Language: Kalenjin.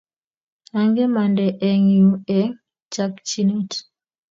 Ongemande eng yuu eng chakchinet